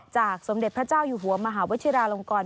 สมเด็จพระเจ้าอยู่หัวมหาวชิราลงกร